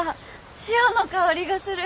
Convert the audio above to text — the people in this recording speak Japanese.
潮の香りがする。